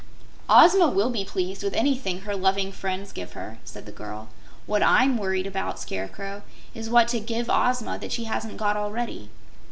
"Ozma will be pleased with anything her loving friends give her," said the girl. "What I'M worried about, Scarecrow, is what to give Ozma that she hasn't got already."